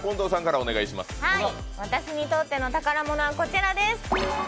私にとっての宝物はこちらです。